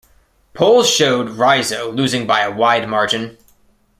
Polls showed Rizzo losing by a wide margin.